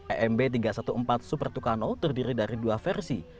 emb tiga ratus empat belas super tucano terdiri dari dua versi